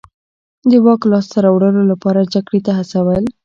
د واک لاسته راوړلو لپاره جګړې ته هڅول.